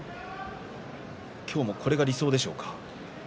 今日もこれが理想でしょうか。